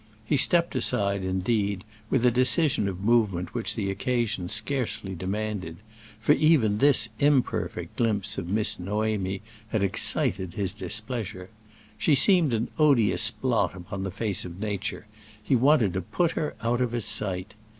He stepped aside, indeed, with a decision of movement which the occasion scarcely demanded; for even this imperfect glimpse of Miss Noémie had excited his displeasure. She seemed an odious blot upon the face of nature; he wanted to put her out of his sight.